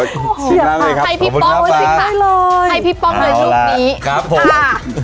ชิมน้ำเลยครับขอบคุณครับป๊าให้พี่ป๊อบด้วยลูกนี้